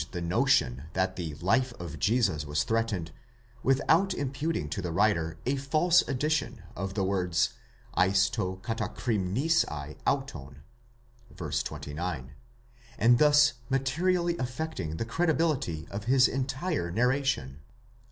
275 the notion that the life of Jesus was threatened, without imputing to the write1 a false addition of the words εἰς τὸ κατακρημνίσαι αὐτὸν (v. 29), and thus materially affecting the credibility of his entire narration.